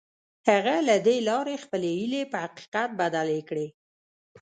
هغه له دې لارې خپلې هيلې په حقيقت بدلې کړې.